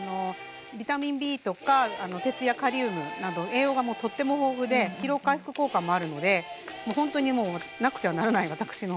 ビタミンＢとか鉄やカリウムなど栄養がもうとっても豊富で疲労回復効果もあるのでほんとにもうへえ。